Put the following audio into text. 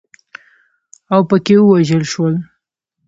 اوپکي ووژل شول.